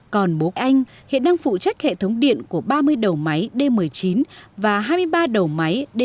còn bố anh hiện đang phụ trách hệ thống điện của ba mươi đầu máy d một mươi chín và hai mươi ba đầu máy d một mươi hai e